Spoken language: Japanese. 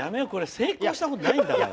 成功したことないんだから。